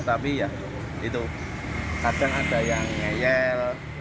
tapi ya itu kadang ada yang ngeyel